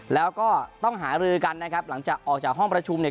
แล้วก็ต้องหารือกันนะครับหลังจากออกจากห้องประชุมเนี่ย